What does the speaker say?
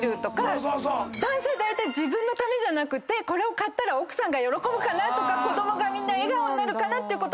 男性は自分のためじゃなくこれを買ったら奥さんが喜ぶかなとか子供がみんな笑顔になるかなってことを。